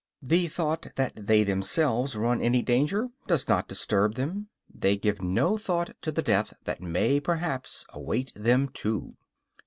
The thought that they themselves run any danger does not disturb them; they give no thought to the death that may perhaps await them too.